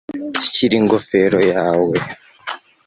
shyira ingofero yawe